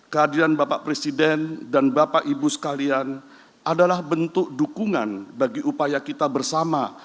kehadiran bapak presiden dan bapak ibu sekalian adalah bentuk dukungan bagi upaya kita bersama